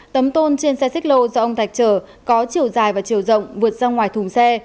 tấm tôn trên xe xích lô do ông thạch trở có chiều dài và chiều rộng vượt ra ngoài thùng xe